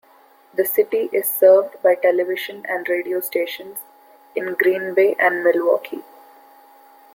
The city is served by television and radio stations in Green Bay and Milwaukee.